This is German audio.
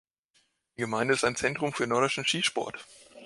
Die Gemeinde ist ein Zentrum für Nordischen Skisport.